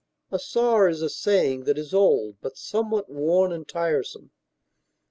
A saw is a saying that is old, but somewhat worn and tiresome.